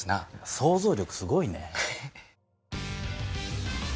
想像力すごいね。